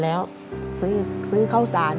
ลูกบ้าน